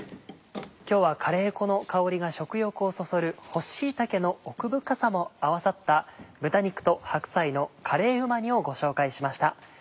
今日はカレー粉の香りが食欲をそそる干し椎茸の奥深さも合わさった豚肉と白菜のカレーうま煮をご紹介しました。